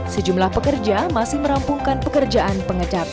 sejumlah pekerja masih merampungkan pekerjaan pengecapan